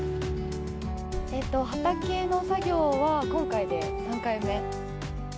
畑の作業は、今回で３回目。